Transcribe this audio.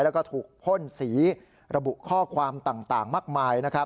แล้วก็ถูกพ่นสีระบุข้อความต่างมากมาย